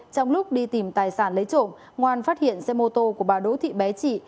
trong lúc đi tìm tài sản lấy trộm ngoan phát hiện xe mô tô của bà đỗ thị bé trị